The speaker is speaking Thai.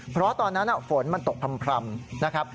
เพราะตอนนั้นฝนมันตกพร่ำนะครับ